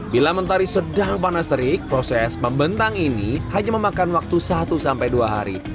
bila mentari sedang panas terik proses membentang ini hanya memakan waktu satu sampai dua hari